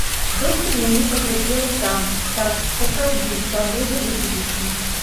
Доктар мяне паглядзела там, так, сапраўды, пагроза выкідышу.